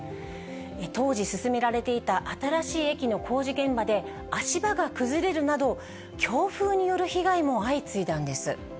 当時進められていた新しい駅の工事現場で足場が崩れるなど、強風による被害も相次いだんです。